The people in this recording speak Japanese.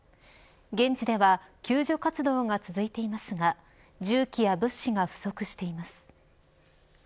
現地では救助活動が続いていますが重機や物資が不足しています。